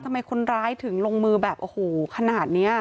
ทำไมคนร้ายจะถึงลงมือแบบโอ้โหค่อนาฬิกา